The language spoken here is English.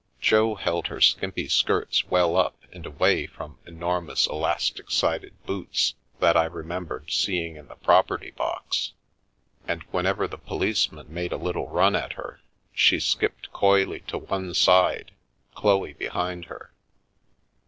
Jo held her skimpy skirts well up and away from enormous elastic sided boots, that I remem bered seeing in the property box, and, whenever the policeman made a little run at her, she skipped coyly to one side, Chloe behind her.